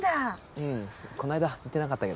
うんこの間言ってなかったけど。